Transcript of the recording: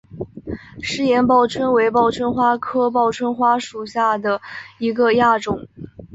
石岩报春为报春花科报春花属下的一个亚种。